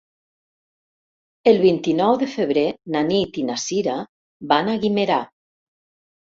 El vint-i-nou de febrer na Nit i na Sira van a Guimerà.